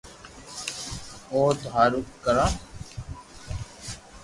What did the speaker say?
او ٿو ھارو ڪرو